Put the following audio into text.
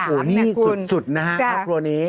โอ้นี่สุดนะครับตัวนี้